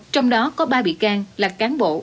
trong đó có ba bị cang là cán bộ